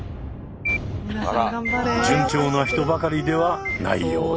順調な人ばかりではないようで。